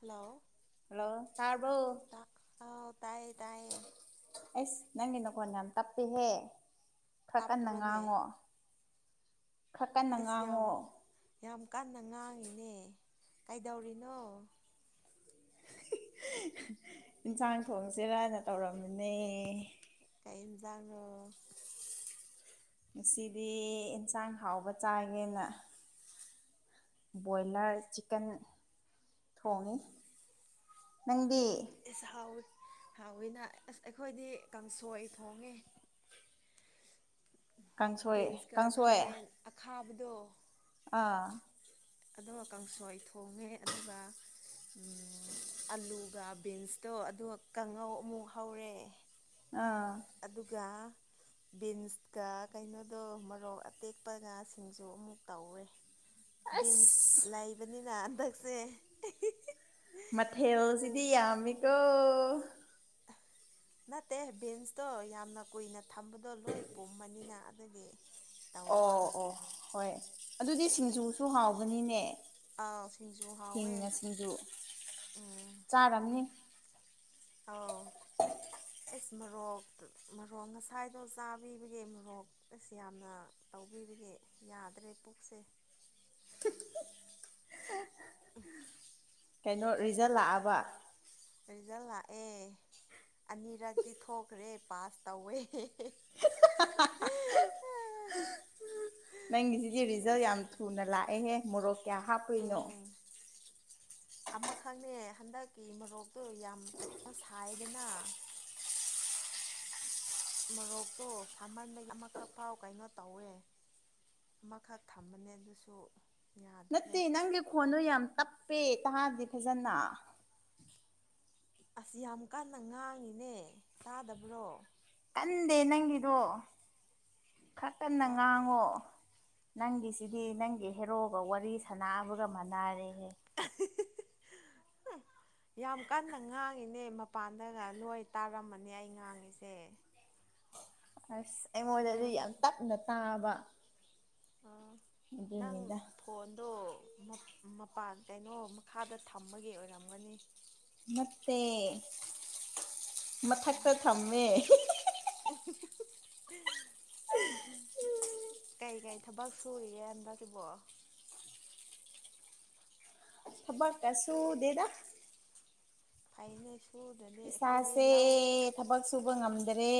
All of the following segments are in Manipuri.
ꯍꯜꯂꯣ ꯍꯜꯂꯣ ꯇꯥꯔꯕꯎ ꯇ ꯑꯥꯎ ꯇꯥꯏꯌꯦ ꯇꯥꯏꯌꯦ ꯑꯦꯁ ꯅꯪꯗꯤ ꯅꯈꯣꯟ ꯌꯥꯝ ꯇꯞꯄꯤ ꯍꯦ ꯈꯔ ꯀꯟꯅ ꯇꯥꯞꯄ꯭ꯔꯣꯅꯦ ꯉꯥꯡꯉꯣ ꯈꯔ ꯀꯟꯅ ꯑꯦꯁ ꯌꯥꯝ ꯉꯥꯡꯉꯣ ꯌꯥꯝ ꯀꯟꯅ ꯉꯥꯡꯉꯤꯅꯦ ꯀꯩꯗꯧꯔꯤꯅꯣ ꯌꯦꯟꯁꯥꯡ ꯊꯣꯡꯁꯦꯔꯅ ꯇꯧꯔꯝꯃꯤꯅꯦ ꯀꯩꯟꯖꯥꯡꯔꯣ ꯉꯁꯤꯗꯤ ꯑꯦꯟꯁꯥꯡ ꯍꯥꯎꯕ ꯆꯥꯏꯒꯦꯅ ꯕꯣꯏꯂꯔ ꯑꯦꯁ ꯆꯤꯛꯀꯟ ꯊꯣꯡꯉꯤ ꯅꯪꯗꯤ ꯑꯦꯁ ꯍꯥꯎꯏꯤ ꯍꯥꯎꯋꯤꯅ ꯑꯁ ꯑꯩꯈꯣꯏꯗꯤ ꯀꯥꯡꯁꯣꯏ ꯊꯣꯡꯉꯦ ꯀꯥꯡꯁꯣꯏ ꯕꯤꯟꯁꯀ ꯀꯥꯡꯁꯣꯏ ꯈꯥꯃꯦꯟ ꯑꯈꯥꯕꯗꯣ ꯑꯥ ꯑꯗꯨꯒ ꯀꯥꯡꯁꯣꯏ ꯊꯣꯡꯉꯦ ꯑꯗꯨꯒ ꯎ ꯑꯂꯨꯒ ꯕꯤꯟꯁꯇꯣ ꯑꯗꯨꯒ ꯀꯥꯡꯉꯧ ꯑꯃꯨꯛ ꯍꯧꯔꯦ ꯑꯥ ꯑꯗꯨꯒ ꯕꯤꯟꯁꯀ ꯀꯩꯅꯣꯗꯣ ꯃꯔꯣꯔꯣꯛ ꯑꯇꯦꯛꯄꯒ ꯁꯤꯡꯁꯨ ꯑꯃꯨꯛ ꯇꯧꯔꯦ ꯕꯤꯟꯁ ꯑꯁ ꯂꯩꯕꯅꯤꯅ ꯍꯟꯗꯛꯁꯦ ꯃꯊꯦꯜꯁꯤꯗꯤ ꯌꯥꯝꯃꯤꯀꯣ ꯅꯠꯇꯦ ꯕꯤꯟꯁꯇꯣ ꯌꯥꯝꯅ ꯀꯨꯏꯅ ꯊꯝꯕꯗꯣ ꯂꯣꯏ ꯄꯨꯝꯃꯅꯤꯅ ꯑꯗꯨꯒꯤ ꯑꯣ ꯇꯧꯕ ꯑꯣ ꯍꯣꯏ ꯑꯗꯨꯗꯤ ꯁꯤꯡꯖꯨꯁꯨ ꯍꯥꯎꯕꯅꯤꯅꯦ ꯑꯥꯎ ꯁꯤꯡꯖꯨ ꯍꯥꯎꯋꯦ ꯍꯤꯡꯅ ꯁꯤꯡꯖꯨ ꯆꯥꯔꯝꯅꯤ ꯑꯧ [unintelligible] ꯑꯦꯁ ꯃꯣꯔꯣꯛ ꯃꯣꯔꯣꯛ ꯉꯁꯥꯏꯗꯣ ꯆꯥꯕꯤꯕꯒꯤ ꯃꯣꯔꯣꯛ ꯑꯁ ꯌꯥꯝꯅ ꯇꯧꯕꯤꯕꯒꯤ ꯌꯥꯗ꯭ꯔꯦ ꯄꯨꯛꯁꯦ [unintelligible] ꯀꯩꯅꯣ ꯔꯤꯖꯜ ꯂꯥꯛꯑꯕ ꯔꯤꯖꯜ ꯂꯥꯛꯑꯦ ꯑꯅꯤꯔꯛꯇꯤ ꯊꯣꯛꯈ꯭ꯔꯦ ꯄꯥꯁ ꯇꯧꯋꯦ [inaudible] ꯑꯥ [unintelligible] ꯅꯪꯒꯤꯁꯤꯗꯤ ꯔꯤꯖꯜ ꯌꯥꯝ ꯊꯨꯅ ꯂꯥꯛꯑꯦꯍꯦ ꯃꯣꯔꯣꯛ ꯀꯌꯥ ꯍꯥꯞꯄꯨꯏꯅꯣ ꯎꯝ ꯑꯃꯈꯛꯅꯦ ꯍꯟꯗꯛꯀꯤ ꯃꯣꯔꯣꯛꯇꯨ ꯌꯥꯝ ꯀꯩꯅ ꯁꯥꯏꯗꯅ [inaudible] ꯃꯣꯔꯣꯛꯇꯣ ꯁꯥꯃꯟꯕꯒꯤ ꯑꯃꯈꯛ ꯐꯥꯎ ꯀꯩꯅꯣ ꯇꯧꯋꯦ ꯑꯃꯈꯛ ꯊꯝꯕꯅꯦ ꯑꯗꯨꯁꯨ ꯌꯥꯗ꯭ꯔꯦ ꯅꯠꯇꯦ ꯅꯪꯒꯤ ꯈꯣꯟꯗꯨꯣ ꯌꯥꯝ ꯇꯞꯄꯦ ꯇꯥꯗꯦ ꯐꯖꯅ ꯑꯁ ꯌꯥꯝ ꯀꯟꯅ ꯉꯥꯡꯉꯤꯅꯦ ꯇꯥꯗꯕ꯭ꯔꯣ ꯀꯟꯗꯦ ꯅꯪꯒꯤꯗꯣ ꯈꯔ ꯀꯟꯅ ꯉꯥꯡꯉꯣ ꯅꯪꯒꯤꯁꯤꯗꯤ ꯅꯪꯒꯤ ꯍꯦꯔꯣꯒ ꯋꯥꯔꯤ ꯁꯥꯟꯅꯕꯒ ꯃꯥꯟꯅꯔꯦꯍꯦ [unintelligible] ꯌꯥꯝ ꯀꯟꯅ ꯉꯥꯡꯉꯤꯅꯦ ꯃꯄꯥꯟꯗꯒ ꯂꯣꯏ ꯇꯥꯔꯝꯃꯅꯤ ꯑꯩ ꯉꯥꯡꯉꯤꯁꯦ ꯑꯁ ꯑꯗꯨ ꯑꯩꯉꯣꯟꯗꯗꯤ ꯌꯥꯝ ꯇꯞꯅ ꯇꯥꯕ ꯑ ꯅꯪ ꯑꯗꯨꯅꯤꯗ ꯐꯣꯟꯗꯣ ꯃꯄꯥꯟ ꯀꯩꯅꯣ ꯃꯈꯥꯗ ꯊꯝꯕꯒꯤ ꯑꯣꯏꯔꯝꯒꯅꯤ ꯅꯥꯠꯇꯦ ꯃꯊꯛꯇ ꯊꯝꯃꯦ [unintelligible] ꯎꯝ ꯀꯩꯀꯩ ꯊꯕꯛ ꯁꯨꯔꯤꯒꯦ ꯍꯟꯗꯛꯁꯤꯕꯣ ꯊꯕꯛ ꯀ ꯁꯨꯗꯦꯗ ꯐꯥꯏꯅꯦ ꯏꯁꯥꯁꯦ ꯊꯕꯛ ꯁꯨꯕ ꯉꯝꯗ꯭ꯔꯦ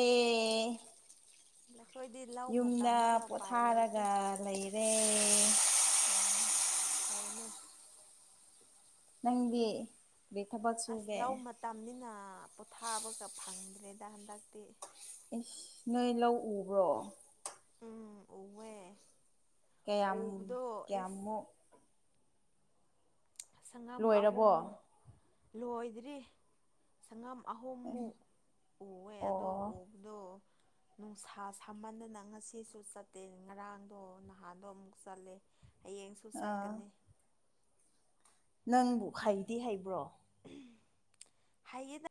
ꯑꯩꯈꯣꯏꯗꯤ ꯂꯧ ꯌꯨꯝꯗ ꯃꯇꯝꯅꯤꯅ ꯎꯄꯥꯏ ꯂꯩꯇꯦ ꯄꯣꯊꯥꯔꯒ ꯂꯩꯔꯦ ꯎꯝ ꯐꯏꯅꯦ ꯅꯪꯗꯤ ꯀꯩ ꯊꯕꯛ ꯑꯁ ꯁꯨꯒꯦ ꯂꯧ ꯃꯇꯝꯅꯤꯅ ꯄꯣꯊꯥꯕꯒ ꯐꯪꯗ꯭ꯔꯦꯗ ꯍꯟꯗꯛꯇꯤ ꯑꯁ ꯅꯣꯏ ꯂꯧ ꯎꯕ꯭ꯔꯣ ꯎꯝ ꯎꯋꯦ ꯀꯌꯥꯝ ꯎꯕꯗꯣ ꯑꯦꯁ ꯀꯌꯥꯃꯨꯛ ꯁꯪꯒꯝ ꯑꯍꯨꯝ ꯂꯣꯏꯔꯕꯣ ꯂꯣꯏꯗ꯭ꯔꯤ ꯁꯪꯒꯝ ꯑꯍꯨꯝꯃꯨꯛ ꯎꯋꯦ ꯑꯗꯣ ꯑꯣ ꯎꯕꯗꯣ ꯅꯨꯡꯁꯥ ꯁꯥꯃꯟꯗꯅ ꯉꯁꯤꯁꯨ ꯆꯠꯇꯦ ꯉꯔꯥꯡꯗꯣ ꯅꯍꯥꯟꯗꯣ ꯑꯃꯨꯛ ꯆꯠꯂꯦ ꯍꯌꯦꯡꯁꯨ ꯑꯥ ꯆꯠꯀꯅꯤ ꯅꯪꯕꯨ ꯍꯩꯗꯤ ꯍꯩꯕ꯭ꯔꯣ ꯍꯩꯏꯗ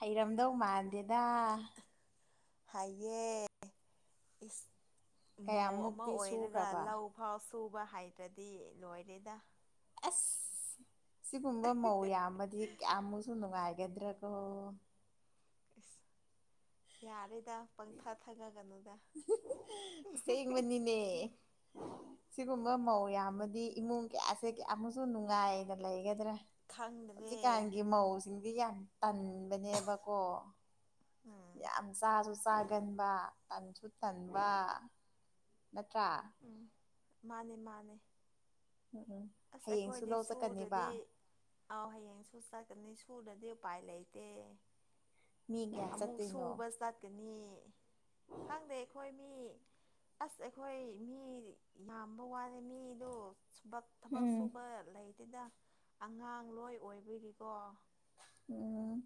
ꯍꯩꯔꯝꯗꯧ ꯃꯥꯟꯗꯦꯗ ꯍꯥꯏꯌꯦ ꯃꯧ ꯑꯃ ꯀꯌꯥꯃꯨꯛꯇꯤ ꯑꯣꯏꯔꯒ ꯁꯨꯈ꯭ꯔꯕ ꯂꯧ ꯐꯥꯎ ꯁꯨꯕ ꯍꯥꯏꯇꯔꯗꯤ ꯂꯣꯏꯔꯦꯗ ꯑꯁ ꯁꯤꯒꯨꯝꯕ ꯃꯧ ꯌꯥꯝꯃꯗꯤ ꯀꯌꯥꯝ ꯃꯨꯛ ꯅꯨꯡꯉꯥꯏꯒꯗ꯭ꯔ ꯏꯁ ꯌꯥꯔꯦꯗ ꯄꯪꯊꯥ ꯊꯥꯒꯠꯀꯅꯨꯗ ꯑꯁꯦꯡꯕꯅꯤꯅꯦ [unintelligible] ꯁꯤꯒꯨꯝꯕ ꯃꯧ ꯌꯥꯝꯃꯗꯤ ꯏꯃꯨꯡ ꯀꯌꯥꯁꯦ ꯀꯌꯥꯃꯨꯛꯁꯨ ꯅꯨꯡꯉꯥꯏꯅ ꯂꯩꯒꯗ꯭ꯔꯦ ꯈꯪꯗ꯭ꯔꯦ ꯍꯧꯖꯤꯛꯀꯥꯟꯒꯤ ꯃꯧꯁꯤꯡꯗꯤ ꯌꯥꯝ ꯇꯟꯕꯅꯦꯕꯀꯣ ꯎꯝ ꯌꯥꯝ ꯆꯥꯁꯨ ꯆꯥꯒꯟꯕ ꯇꯟꯁꯨ ꯇꯟꯕ ꯅꯠꯇ꯭ꯔꯥ ꯎꯝ ꯃꯥꯅꯦ ꯃꯥꯅꯦ ꯎꯝ ꯎꯝ ꯑꯁ ꯍꯌꯦꯡꯁꯨ ꯑꯩꯈꯣꯏꯗꯤ ꯂꯧ ꯆꯠꯀꯅꯦꯕ ꯁꯨꯗꯔꯗꯤ ꯑꯥꯎ ꯍꯌꯦꯡ ꯁꯨ ꯆꯠꯀꯅꯤ ꯁꯨꯔꯗꯗꯤ ꯎꯄꯥꯏ ꯂꯩꯇꯦ ꯃꯤ ꯀꯌꯥ ꯑꯃꯨꯛ ꯆꯠꯇꯣꯏꯅꯣ ꯁꯨꯕ ꯆꯠꯀꯅꯤ ꯈꯪꯗꯦ ꯑꯩꯈꯣꯏ ꯃꯤ ꯑꯁ ꯑꯩꯈꯣꯏ ꯃꯤ ꯌꯥꯝꯕ ꯋꯥꯂꯦ ꯃꯤꯗꯣ ꯊꯕꯛ ꯊꯕꯛ ꯎꯝ ꯁꯨꯕ ꯂꯩꯇꯦꯗ ꯑꯉꯥꯡ ꯂꯣꯏ ꯑꯣꯏꯕꯒꯤꯀꯣ ꯎꯝ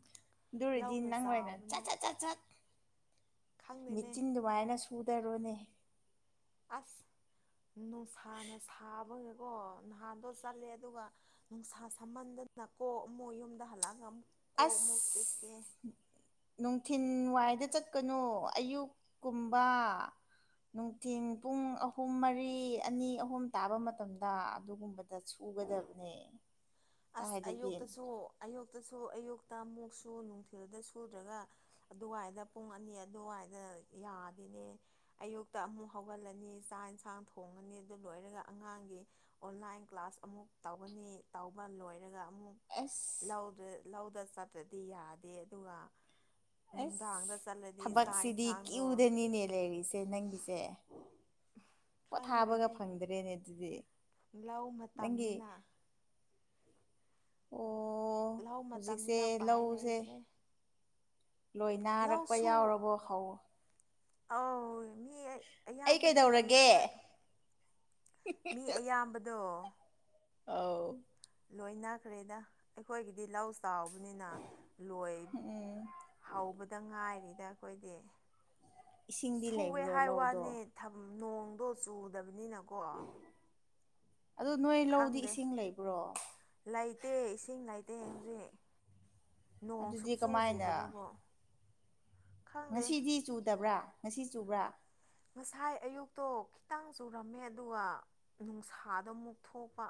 ꯑꯗꯨꯔꯗꯤ ꯂꯧꯅ ꯅꯪ ꯑꯣꯏꯅ ꯆꯥꯎꯕꯅꯦ ꯁꯠ ꯁꯠ ꯁꯠ ꯁꯠ ꯈꯪꯗꯦꯅꯦ ꯃꯦꯆꯤꯟ ꯑꯗꯨꯃꯥꯏꯅ ꯁꯨꯗꯔꯨꯅꯦ ꯑꯁ ꯅꯨꯡꯁꯥꯅ ꯁꯥꯕꯒꯀꯣ ꯅꯍꯥꯟꯗꯣ ꯆꯠꯂꯦ ꯑꯗꯨꯒ ꯅꯨꯡꯁꯥ ꯁꯝꯍꯟꯗꯅ ꯀꯣꯛ ꯑꯃꯨꯛ ꯌꯨꯝꯗ ꯍꯜꯂꯛꯑꯒ ꯑꯃꯨꯛ ꯀꯣꯛ ꯑꯃꯨꯛ ꯆꯤꯛꯑꯦ ꯅꯨꯡꯊꯤꯟꯋꯥꯏꯗ ꯆꯠꯀꯅꯨ ꯑꯌꯨꯛ ꯀꯨꯝꯕ ꯅꯨꯡꯊꯤꯟ ꯄꯨꯡ ꯑꯍꯨꯝ ꯃꯔꯤ ꯑꯅꯤ ꯑꯍꯨꯝ ꯇꯥꯕ ꯃꯇꯝꯗ ꯑꯗꯨꯒꯨꯝꯕꯗ ꯗ ꯁꯨꯒꯗꯕꯅꯦ ꯑꯁ ꯀꯥꯏꯗꯒꯤ ꯑꯌꯣꯛꯇꯁꯨ ꯑꯌꯨꯛꯇꯁꯨ ꯑꯌꯨꯛꯇ ꯑꯃꯨꯛꯁꯨ ꯅꯨꯡꯊꯤꯜꯗ ꯁꯨꯗ꯭ꯔꯒ ꯑꯗꯨꯋꯥꯏꯗ ꯄꯨꯡ ꯑꯅꯤ ꯑꯗꯨꯋꯥꯏꯗ ꯌꯥꯗꯦꯅꯦ ꯑꯌꯨꯛꯇ ꯑꯃꯨꯛ ꯍꯧꯒꯠꯂꯅꯤ ꯆꯥꯛ ꯏꯟꯁꯥꯡ ꯊꯣꯡꯉꯅꯤ ꯑꯗꯨ ꯂꯣꯏꯔꯒ ꯑꯉꯥꯡꯒꯤ ꯑꯣꯟꯂꯥꯏꯟ ꯀ꯭ꯂꯥꯁ ꯑꯃꯨꯛ ꯇꯧꯒꯅꯤ ꯇꯧꯕ ꯂꯣꯏꯔꯒ ꯑꯃꯨꯛ ꯑꯁ ꯂꯧꯗ ꯂꯧꯗ ꯆꯠꯇ꯭ꯔꯗꯤ ꯌꯥꯗꯦ ꯑꯗꯨꯒ ꯅꯨꯡꯗꯥꯡꯗ ꯑꯁ ꯆꯠꯂꯗꯤ ꯆꯥꯛ ꯊꯕꯛꯁꯤꯗꯤ ꯌꯦꯟꯁꯥꯡꯗꯣ ꯀ꯭ꯌꯨꯗꯅꯤꯅꯦ ꯂꯩꯔꯤꯁꯦ ꯅꯪꯒꯤꯁꯦ ꯄꯣꯊꯥꯕꯒ ꯈꯪꯗ꯭ꯔꯦꯅꯦ ꯐꯪꯗ꯭ꯔꯦꯅꯦ ꯑꯗꯨꯗꯤ ꯂꯧ ꯅꯪꯒꯤ ꯃꯇꯝꯅꯤꯅ ꯑꯣ ꯂꯧ ꯍꯧꯖꯤꯛꯁꯦ ꯃꯇꯝꯅꯤꯅ ꯎꯄꯥꯏ ꯂꯧꯁꯦ ꯂꯩꯇ꯭ꯔꯦ ꯂꯣꯏꯅꯥꯔꯛꯄ ꯌꯥꯎꯔꯕꯣ ꯍꯧ ꯑꯎ ꯃꯤ ꯑꯩ ꯑꯌꯥꯝꯕꯗꯤ ꯀꯩꯗꯧꯔꯒꯦ ꯂꯣꯏꯅꯕ ꯃꯤ ꯑꯌꯥꯝꯕꯗꯣ ꯑꯥꯎ ꯂꯣꯏꯅꯈ꯭ꯔꯦꯗ ꯑꯩꯈꯣꯏꯒꯤꯗꯤ ꯂꯧ ꯆꯥꯎꯕꯅꯤꯅ ꯂꯣꯏ ꯎꯝ ꯍꯧꯕꯗ ꯉꯥꯏꯔꯤꯗ ꯑꯩꯈꯣꯏꯗꯤ ꯏꯁꯤꯡꯗꯤ ꯂꯩꯕ꯭ꯔꯣ ꯂꯧꯗꯣ ꯗꯝ ꯅꯣꯡꯗꯣ ꯆꯨꯗꯕꯅꯤꯅꯀꯣ ꯑꯗꯨ ꯅꯣꯏ ꯂꯧꯗꯤ ꯈꯪꯗꯦ ꯏꯁꯤꯡ ꯂꯩꯕ꯭ꯔꯣ ꯂꯩꯇꯦ ꯏꯁꯤꯡ ꯂꯩꯇꯦ ꯍꯧꯖꯤꯛ ꯅꯣꯡ ꯑꯗꯨꯗꯤ ꯁꯨꯡꯆꯨ ꯀꯃꯥꯏꯅ ꯆꯨꯗꯕꯕꯣ ꯉꯁꯤꯗꯤ ꯆꯨꯗꯕ꯭ꯔꯥ ꯉꯁꯤ ꯆꯨꯕ꯭ꯔꯥ ꯉꯁꯥꯏ ꯑꯌꯨꯛꯇꯣ ꯈꯤꯇꯪ ꯆꯨꯔꯝꯃꯦ ꯑꯗꯨꯒ ꯅꯨꯡꯁꯥꯗ ꯑꯃꯨꯛ ꯊꯣꯛꯄ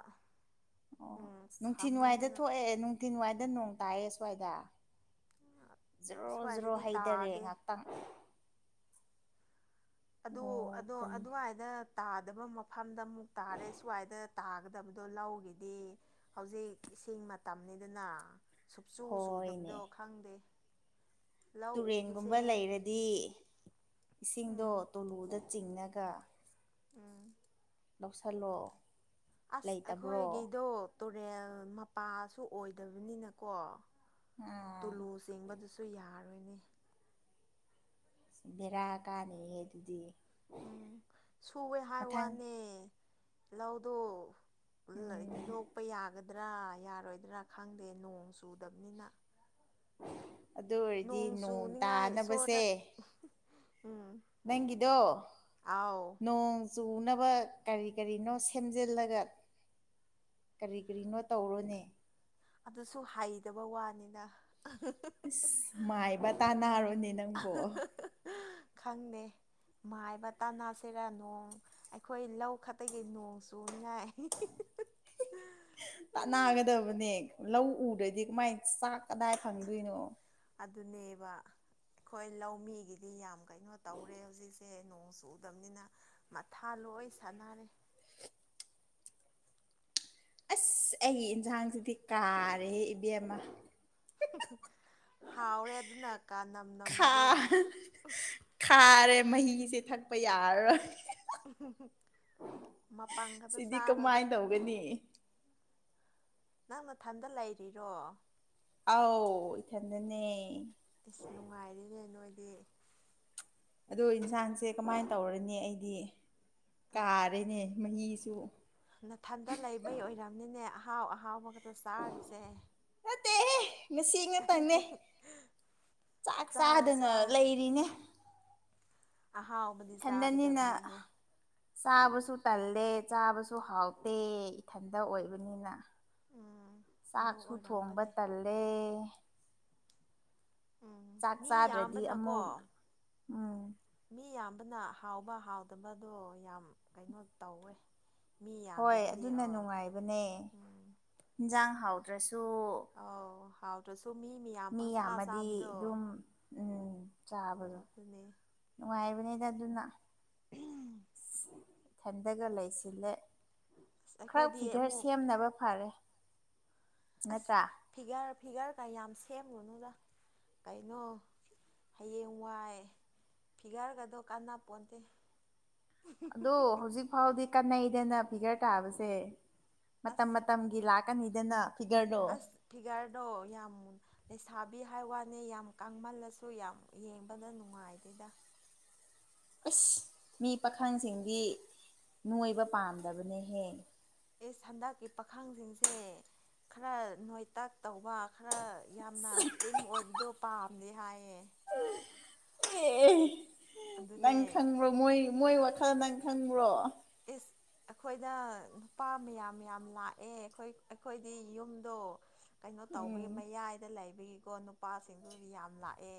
ꯑꯣ ꯅꯣꯡ ꯅꯨꯡꯊꯤꯟꯋꯥꯏꯗ ꯁꯥꯃꯟꯗꯅ ꯊꯣꯛꯑꯦ ꯅꯨꯡꯊꯤꯟꯋꯥꯏꯗ ꯅꯣꯡ ꯇꯥꯏꯑꯦ ꯁ꯭ꯋꯥꯏꯗ ꯖꯔꯣ ꯖꯔꯣ ꯁ꯭ꯋꯥꯏꯗꯗꯤ ꯍꯩꯊꯔꯦ ꯇꯥꯗꯦ ꯉꯍꯥꯛꯇꯪ ꯑꯗꯨ ꯑꯣ ꯑꯗꯣ ꯈꯨꯟ ꯑꯗꯨꯋꯥꯏꯗ ꯇꯥꯗꯕ ꯃꯐꯝꯗ ꯑꯃꯨꯛ ꯇꯥꯔꯦ ꯁ꯭ꯋꯥꯏꯗ ꯇꯥꯒꯗꯕꯗꯣ ꯂꯧꯒꯤꯗꯤ ꯍꯧꯖꯤꯛ ꯏꯁꯤꯡ ꯃꯇꯝꯅꯤꯗꯅ ꯁꯨꯛꯆꯨ ꯍꯣꯏꯅꯦ ꯆꯨꯗꯕꯗꯣ ꯈꯪꯗꯦ ꯂꯧ ꯇꯨꯔꯦꯟꯒꯨꯝꯕ ꯎꯕꯁꯦ ꯂꯩꯔꯗꯤ ꯏꯁꯤꯡꯗꯣ ꯎꯝ ꯇꯣꯂꯨꯗ ꯆꯤꯡꯉꯒ ꯎꯝ ꯂꯧꯁꯜꯂꯣ ꯑꯁ ꯂꯩꯇꯕ꯭ꯔꯣ ꯑꯩꯈꯣꯏꯒꯤꯗꯣ ꯇꯨꯔꯦꯜ ꯃꯄꯥꯁꯨ ꯑꯣꯏꯗꯕꯅꯤꯅꯀꯣ ꯑꯥ ꯇꯨꯂꯨ ꯆꯦꯡꯕꯗꯨꯁꯨ ꯌꯥꯔꯣꯏꯅꯦ ꯕꯦꯔꯥ ꯀꯥꯅꯤꯍꯦ ꯑꯗꯨꯗꯤ ꯎꯝ ꯁꯨꯑꯦ ꯍꯥꯏ ꯃꯊꯪ ꯋꯥꯅꯦ ꯂꯧꯗꯣ ꯎꯝ ꯂꯣꯛꯄ ꯌꯥꯒꯗ꯭ꯔꯥ ꯌꯥꯔꯣꯏꯗ꯭ꯔꯥ ꯈꯪꯗꯦ ꯅꯣꯡ ꯆꯨꯗꯕꯅꯤꯅ ꯑꯗꯨ ꯑꯣꯏꯔꯗꯤ ꯅꯣꯡ ꯆꯨꯅꯤꯉꯥꯏ ꯏꯁꯣꯔꯗ ꯇꯥꯅꯕꯁꯦ ꯎꯝ ꯅꯪꯒꯤꯗꯣ ꯑꯥꯎ ꯅꯣꯡ ꯆꯨꯅꯕ ꯀ꯭ꯔꯤ ꯀ꯭ꯔꯤꯅꯣ ꯁꯦꯝꯖꯤꯜꯂꯒ ꯀ꯭ꯔꯤ ꯀ꯭ꯔꯤꯅꯣ ꯇꯧꯔꯣꯅꯦ ꯑꯗꯨꯁꯨ ꯍꯩꯗꯕ ꯋꯥꯅꯤꯅ ꯑꯍꯨ ꯍꯨ ꯑꯁ ꯃꯥꯏꯕ ꯇꯥꯟꯅꯔꯣꯅꯦ ꯅꯪꯕꯨ [unintelligible] ꯈꯪꯗꯦ ꯃꯥꯏꯕ ꯇꯅꯁꯤꯔꯥ ꯅꯣꯡ ꯑꯩꯈꯣꯏ ꯂꯧ ꯈꯛꯇꯒꯤ ꯅꯣꯡ ꯆꯨꯅꯉꯥꯏ ꯇꯥꯟꯅꯒꯗꯕꯅꯦ ꯂꯧ ꯎꯗ꯭ꯔꯗꯤ ꯀꯃꯥꯏꯅ ꯆꯥꯛ ꯀꯗꯥꯏ ꯐꯪꯗꯣꯏꯅꯣ ꯑꯗꯨꯅꯦꯕ ꯑꯩꯈꯣꯏ ꯂꯧꯃꯤꯒꯤꯗꯤ ꯌꯥꯝ ꯀꯩꯅꯣ ꯇꯧꯔꯦ ꯍꯧꯖꯤꯛ ꯁꯦ ꯅꯣꯡ ꯆꯨꯗꯕꯅꯤꯅ ꯃꯊꯥ ꯂꯣꯏ ꯁꯥꯟꯅꯔꯦ ꯑꯁ ꯑꯩꯒꯤ ꯏꯟꯖꯥꯡꯁꯤꯗꯤ ꯀꯥꯔꯦꯍꯦ ꯏꯕꯦꯝꯃ ꯍꯥꯎꯔꯦ ꯑꯗꯨꯅ ꯀꯥꯅꯝ ꯈꯥ ꯅꯝꯕꯗꯣ ꯈꯥꯔꯦ ꯃꯍꯤꯁꯦ ꯊꯛꯄ ꯌꯥꯔꯔꯣꯏ ꯃꯄꯪ ꯈꯛꯇ ꯁꯤꯗꯤ ꯀꯃꯥꯏ‌ ꯆꯥꯔꯣꯗ ꯇꯧꯒꯅꯤ ꯅꯪ ꯅꯊꯟꯇ ꯂꯩꯔꯤꯔꯣ ꯑꯧ ꯏꯊꯟꯗꯅꯦ ꯏꯁ ꯅꯨꯡꯉꯥꯏꯔꯦꯅꯦ ꯅꯣꯏꯗꯤ ꯑꯗꯣ ꯏꯟꯖꯥꯡꯁꯦ ꯀꯃꯥꯏ ꯇꯧꯔꯅꯤ ꯑꯩꯗꯤ ꯀꯥꯔꯦꯅꯦ ꯃꯍꯤꯁꯨ ꯅꯊꯟꯗ ꯂꯩꯕꯩ ꯑꯣꯏꯔꯝꯅꯤꯅꯦ ꯑꯍꯥꯎ ꯑꯍꯥꯎꯕꯒꯗꯣ ꯆꯥꯔꯤꯁꯦ ꯇꯦꯍꯦ ꯉꯁꯤ ꯉꯥꯇꯪꯅꯦ ꯆꯥꯛ ꯆꯥꯎ ꯆꯥꯗꯅ ꯆꯥꯎ ꯂꯩꯔꯤꯅꯦ ꯑꯍꯥꯎꯕꯗꯤ ꯏꯊꯟꯗꯅꯤꯅ ꯆꯥꯒꯗꯕꯅꯤꯍꯦ ꯆꯥꯕꯁꯨ ꯇꯜꯂꯦ ꯆꯥꯕꯁꯨ ꯍꯥꯎꯇꯦ ꯏꯊꯟꯗ ꯑꯣꯏꯕꯅꯤꯅ ꯎꯝ ꯑꯗꯨ ꯆꯥꯛꯁꯨ ꯊꯣꯡꯕ ꯑꯣꯏꯔꯝꯒꯅꯤ ꯇꯜꯂꯦ ꯎꯝ ꯆꯥꯛ ꯃꯤ ꯆꯥꯗ꯭ꯔꯗꯤ ꯌꯥꯝꯕꯅꯀꯣ ꯑꯃꯨꯛ ꯎꯝ ꯃꯤ ꯌꯥꯝꯕꯅ ꯍꯥꯎꯕ ꯍꯥꯎꯇꯕꯗꯣ ꯌꯥꯝ ꯀꯩꯅꯣ ꯇꯧꯋꯦ ꯃꯤ ꯍꯣꯏ ꯌꯥꯝꯗꯕꯗꯤ ꯑꯗꯨꯅ ꯑ ꯅꯨꯡꯉꯥꯏꯕꯅꯦ ꯎꯝ ꯏꯟꯖꯥꯡ ꯍꯥꯎꯇ꯭ꯔꯁꯨ ꯑꯧ ꯍꯥꯎꯇ꯭ꯔꯁꯨ ꯃꯤ ꯃꯌꯥꯝ ꯄꯪꯆꯥꯥ ꯌꯥꯝꯃꯗꯤ ꯆꯥꯕꯗꯣ ꯑꯗꯨꯝ ꯎꯝ ꯎꯝ ꯆꯥꯕꯗꯣ ꯑꯗꯨꯅꯦ ꯅꯨꯡꯉꯥꯏꯕꯅꯤꯗ ꯑꯗꯨꯅ ꯎꯝ ꯏꯊꯟꯗꯒ ꯂꯩꯁꯤꯜꯂꯦ ꯑꯁ ꯈꯔ ꯑꯩꯈꯣꯏꯗꯤ ꯐꯤꯒ꯭ꯔ ꯑꯃꯨꯛ ꯁꯦꯝꯅꯕ ꯐꯔꯦ ꯅꯠꯇ꯭ꯔꯥ ꯐꯤꯒ꯭ꯔ ꯐꯤꯒ꯭ꯔꯗ ꯌꯥꯝ ꯁꯦꯝꯂꯨꯅꯨꯗ ꯀꯩꯅꯣ ꯍꯌꯦꯡꯋꯥꯏ ꯐꯤꯒ꯭ꯔꯒꯗꯣ ꯀꯟꯅꯄꯣꯟꯇꯦ ꯑꯗꯣ ꯍꯧꯖꯤꯛ ꯐꯥꯎꯗꯤ ꯀꯥꯟꯅꯩꯗꯅ ꯐꯤꯒ꯭ꯔ ꯇꯥꯕꯁꯦ ꯃꯇꯝ ꯑꯁ ꯃꯇꯝꯒꯤ ꯂꯥꯛꯀꯅꯤꯗꯅ ꯐꯤꯒꯔꯗꯣ ꯑꯁ ꯐꯤꯒꯥ꯭ꯔꯗꯣ ꯌꯥꯝ ꯃꯨꯟ ꯂꯩꯁꯥꯕꯤ ꯍꯥꯏ ꯋꯥꯅꯤ ꯌꯥꯝ ꯀꯪꯃꯜꯂꯁꯨ ꯌꯥꯝ ꯌꯦꯡꯕꯗ ꯅꯨꯡꯉꯥꯏꯇꯦꯗ ꯑꯁ ꯃꯤ ꯄꯥꯈꯪꯁꯤꯡꯗꯤ ꯅꯣꯏꯕ ꯄꯥꯝꯗꯕꯅꯦꯍꯦ ꯏꯁ ꯍꯟꯗꯛꯀꯤ ꯄꯥꯈꯪꯁꯤꯡꯁꯦ ꯈꯔ ꯅꯣꯏꯇꯛ ꯇꯧꯕ ꯈꯔ ꯌꯥꯝꯅ ꯁ꯭ꯂꯤꯝ ꯑꯣꯏꯕꯗꯣ ꯄꯥꯝꯗꯦ ꯍꯥꯏꯌꯦ ꯑꯦ ꯅꯪ ꯑꯗꯨꯅꯦ ꯈꯪꯕ꯭ꯔꯣ ꯃꯣꯏ ꯃꯣꯏ ꯋꯥ ꯅꯪ ꯈꯪꯕ꯭ꯔꯣ ꯏꯁ ꯑꯩꯈꯣꯏꯗ ꯅꯨꯄꯥ ꯃꯌꯥꯝ ꯃꯌꯥꯝ ꯂꯥꯛꯑꯦ ꯑꯈꯣꯏ ꯑꯩꯈꯣꯏꯗꯤ ꯌꯨꯝꯗꯣ ꯀꯩꯅꯣ ꯇꯧꯕꯒꯤ ꯎꯝ ꯃꯌꯥꯏꯗ ꯂꯩꯕꯒꯤꯀꯣ ꯅꯨꯄꯥꯁꯤꯡꯗꯨꯗꯤ ꯌꯥꯝ ꯂꯥꯛꯑꯦ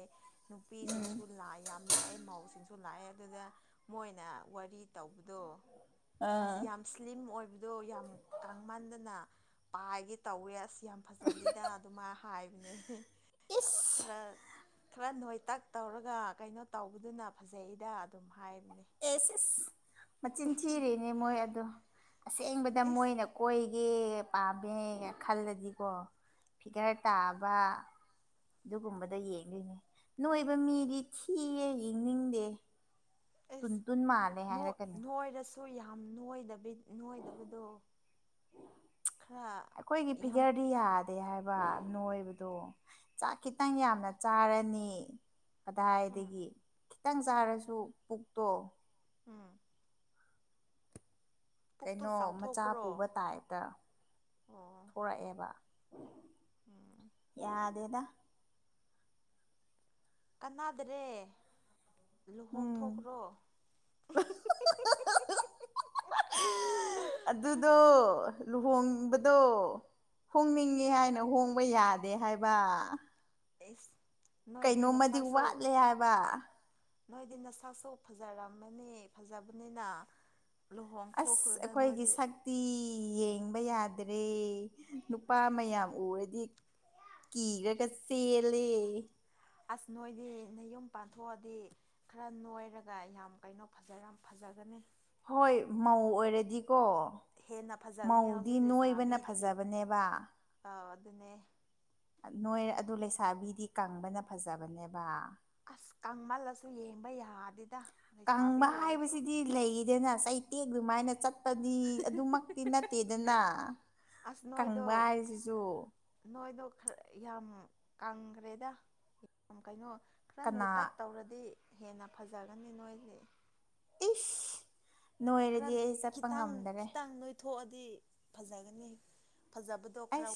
ꯎꯝ ꯅꯨꯄꯤꯁꯤꯡꯁꯨ ꯂꯥꯏ ꯌꯥꯝ ꯂꯥꯛꯑꯦ ꯃꯧꯁꯤꯡꯁꯨ ꯂꯥꯛꯑꯦ ꯑꯗꯨꯗ ꯃꯣꯏꯅ ꯋꯥꯔꯤ ꯇꯧꯕꯗꯣ ꯑꯁ ꯑꯥ ꯌꯥꯝ ꯁ꯭ꯂꯤꯝ ꯑꯣꯏꯕꯗꯣ ꯌꯥꯝ ꯀꯪꯃꯟꯗꯅ ꯄꯥꯏꯒꯦ ꯇꯧꯋꯦ ꯑꯁ ꯌꯥꯝ ꯐꯖꯗꯦꯗ ꯑꯗꯨꯃꯥꯏ ꯍꯥꯏꯕꯅꯦ ꯏꯁ ꯈꯔ ꯈꯔ ꯅꯣꯏꯇꯛ ꯇꯧꯔꯒ ꯀꯩꯅꯣ ꯇꯧꯕꯗꯨꯅ ꯐꯖꯩꯗ ꯑꯗꯨꯝ ꯍꯥꯏꯕꯅꯤ ꯑꯦꯁ ꯏꯁ ꯃꯆꯤꯟ ꯊꯤꯔꯤꯅꯤ ꯃꯣꯏ ꯑꯗꯣ ꯑꯁꯦꯡꯕꯗ ꯏꯁ ꯃꯣꯏꯅ ꯀꯣꯏꯒꯦ ꯄꯥꯝꯃꯦ ꯈꯜꯂꯗꯤꯀꯣ ꯐꯤꯒ꯭ꯔ ꯇꯥꯕ ꯑꯗꯨꯒꯨꯝꯕꯗ ꯌꯦꯡꯗꯣꯏꯅꯦ ꯅꯣꯏꯕ ꯃꯤꯗꯤ ꯊꯤꯌꯦ ꯌꯦꯡꯅꯤꯡꯗꯦ ꯇꯨꯟ ꯑꯦꯁ ꯇꯨꯟ ꯃꯥꯜꯂꯦ ꯅꯣꯏ ꯍꯥꯏꯔꯛꯀꯅꯤ ꯅꯣꯏꯔꯁꯨ ꯌꯥꯝ ꯅꯣꯏꯗꯕꯤ ꯅꯣꯏꯗꯕꯗꯣ ꯈꯔ ꯌꯥꯝ ꯔꯤꯌꯥꯠ ꯀꯩ ꯍꯥꯏꯕ ꯅꯣꯏꯕꯗꯣ ꯆꯥꯛ ꯈꯤꯇꯪ ꯌꯥꯝꯅ ꯆꯥꯔꯅꯤ ꯎꯝ ꯑꯗꯥꯏꯗꯒꯤ ꯈꯤꯇꯪ ꯆꯥꯔꯁꯨ ꯄꯨꯛꯇꯣ ꯎꯝ ꯄꯨꯛꯇꯨ ꯀꯩꯅꯣ ꯃꯆꯥ ꯆꯥꯎꯊꯣꯛꯄ꯭ꯔꯣ ꯄꯨꯕ ꯇꯥꯏꯞꯇ ꯑꯣ ꯊꯣꯔꯛꯑꯦꯕ ꯎꯝ ꯌꯥꯗꯦꯗ ꯀꯥꯟꯅꯥꯗ꯭ꯔꯦ ꯎꯝ ꯂꯨꯍꯣꯡꯊꯣꯛꯈ꯭ꯔꯣ ꯑꯗꯨꯗꯣ ꯂꯨꯍꯣꯡꯕꯗꯣ ꯍꯣꯡꯅꯤꯡꯉꯤ ꯍꯥꯏꯅ ꯍꯣꯡꯕ ꯌꯥꯗꯦ ꯍꯥꯏꯕ ꯅꯣꯏꯗꯤ ꯀꯩꯅꯣꯝꯃꯗꯤ ꯅꯁꯛꯁꯨ ꯋꯥꯠꯂꯦ ꯍꯥꯏꯕ ꯅꯣꯏꯗꯤ ꯅꯁꯛꯁꯨ ꯐꯖꯔꯝꯃꯅꯤ ꯐꯖꯕꯅꯤꯅ ꯂꯨꯍꯣꯡꯊꯣꯛꯈ꯭ꯔꯣꯗ ꯅꯣꯏꯗꯤ ꯇꯤ ꯌꯦꯡꯕ ꯌꯥꯗ꯭ꯔꯦ ꯅꯨꯄꯥ ꯃꯌꯥꯝ ꯎꯔꯗꯤ ꯀꯤꯔꯒ ꯆꯦꯜꯂꯦ ꯑꯁ ꯅꯣꯏꯗꯤ ꯅꯌꯨꯝ ꯄꯥꯟꯊꯣꯛꯑꯗꯤ ꯈꯔ ꯅꯣꯏꯔꯒ ꯌꯥꯝ ꯀꯩꯅꯣ ꯐꯖꯔ ꯐꯖꯒꯅꯤ ꯍꯣꯏ ꯃꯧ ꯑꯣꯏꯔꯗꯤꯀꯣ ꯍꯦꯟꯅ ꯐꯖꯒꯅꯤ ꯃꯧꯗꯤ ꯍꯧꯖꯤꯛ ꯅꯣꯏꯕꯅ ꯐꯖꯕꯅꯦꯕ ꯑꯗꯨ ꯑꯗꯨꯅꯦ ꯅꯣꯏ ꯑꯗꯨ ꯂꯩꯁꯥꯕꯤꯗꯤ ꯀꯪꯕꯅ ꯐꯖꯕꯅꯦꯕ ꯑꯁ ꯀꯪꯃꯜꯂꯁꯨ ꯌꯦꯡꯕ ꯌꯥꯗꯦꯗ ꯂꯩꯁꯥꯕꯤ ꯀꯪꯕ ꯑꯣꯏꯔꯁꯨ ꯍꯥꯏꯕꯁꯤꯗꯤ ꯂꯩꯗꯅ ꯆꯩꯇꯦꯛ ꯑꯗꯨꯃꯥꯏꯅ ꯆꯠ ꯗꯤ ꯑꯗꯨꯃꯛꯇꯤ ꯅꯠꯇꯦꯗꯅ ꯑꯁ ꯅꯣꯏꯗꯣ ꯀꯪꯕ ꯍꯥꯏꯁꯤꯁꯨ ꯅꯣꯏꯗꯣ ꯈꯔ ꯌꯥꯝ ꯀꯪꯈ꯭ꯔꯦꯗ ꯌꯥꯝ ꯀꯩꯅꯣ ꯈꯔ ꯀꯅꯥ ꯅꯣꯏꯇꯥꯛ ꯇꯧꯔꯗꯤ ꯍꯦꯟꯅ ꯐꯖꯒꯅꯤ ꯅꯣꯏꯗꯤ ꯏꯁ ꯈꯔ ꯅꯣꯏꯔꯗꯤ ꯑꯩ ꯆꯠꯄ ꯈꯤꯇꯪ ꯉꯝꯗꯔꯦ ꯈꯤꯇꯪ ꯅꯣꯏꯊꯣꯛꯑꯗꯤ ꯐꯖꯒꯅꯤ ꯐꯖꯕꯗꯣ ꯈꯔ ꯑꯁ